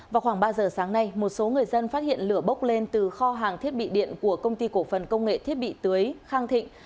vào khoảng ba giờ sáng nay một số người dân phát hiện lửa bốc lên từ kho hàng thiết bị điện của công ty cổ phần công nghệ thiết bị tưới khang thịnh